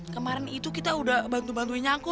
kemarin itu kita udah bantu bantuinnya aku